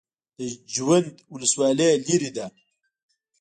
د جوند ولسوالۍ لیرې ده